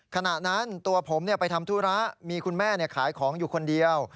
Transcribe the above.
ขณะนั้นตัวผมไปทำธุระมีคุณแม่ขายของอยู่คนเดียว